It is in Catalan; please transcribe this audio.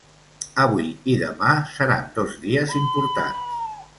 Avui i demà seran dos dies importants.